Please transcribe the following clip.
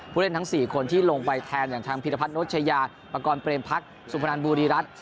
ผู้เล่นทั้ง๔คนที่ลงไปแทนอย่างทางพิรพัฒน์โนชยาประกอบเปรียบพรรคสุมพนันบุรีรัตน์